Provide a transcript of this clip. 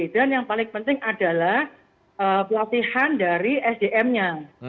dan yang paling penting adalah pelatihan dari sdm nya